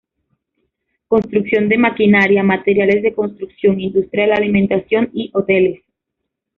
Construcción de maquinaria, materiales de construcción, industria de la alimentación y Hoteles.